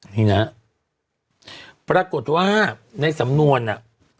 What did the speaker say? นี่นะปรากฏว่าในสำนวนน่ะ